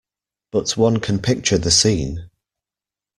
But one can picture the scene.